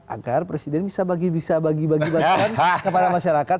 agar presiden bisa bagi bagi bank sos kepada masyarakat